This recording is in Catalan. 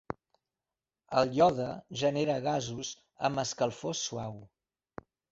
El iode genera gasos amb escalfor suau.